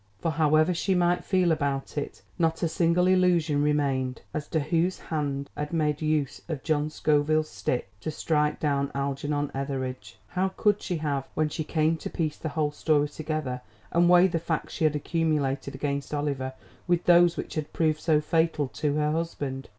For, however she might feel about it, not a single illusion remained as to whose hand had made use of John Scoville's stick to strike down Algernon Etheridge. How could she have when she came to piece the whole story together, and weigh the facts she had accumulated against Oliver with those which had proved so fatal to her husband.